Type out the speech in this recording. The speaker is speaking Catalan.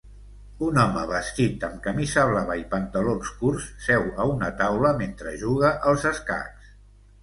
Un home vestit amb camisa blava i pantalons curts seu a una taula mentre juga als escacs.